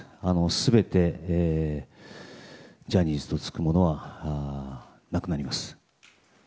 全てジャニーズとつくものはなくなります。